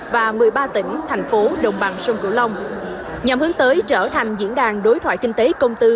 và một mươi ba tỉnh thành phố đồng bằng sông cửu long nhằm hướng tới trở thành diễn đàn đối thoại kinh tế công tư